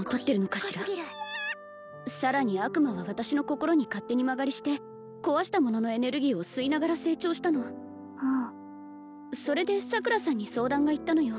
深い深すぎるさらに悪魔は私の心に勝手に間借りして壊したもののエネルギーを吸いながら成長したのはあそれで桜さんに相談がいったのよ